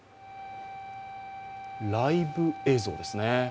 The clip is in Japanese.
ライブ映像です。